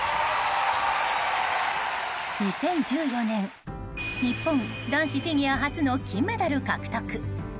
２０１４年、日本男子フィギュア初の金メダル獲得。